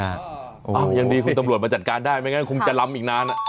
ยังดีคุณตำรวจมาจัดการได้ไม่งั้นคงจะลำอีกนาน